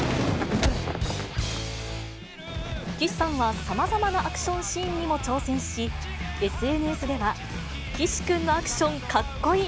岸さんはさまざまなアクションシーンにも挑戦し、ＳＮＳでは岸君のアクションかっこいい。